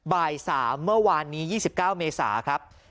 บ่ายสามเมื่อวานนี้ยี่สิบเก้าเมษาครับ